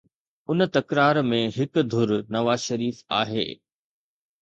ان تڪرار ۾ هڪ ڌر نواز شريف آهي